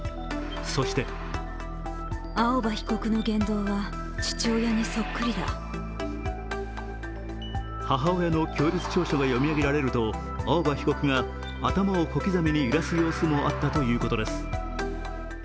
そして母親の供述調書が読み上げられると青葉被告が頭を小刻みに揺らす様子もあったということです。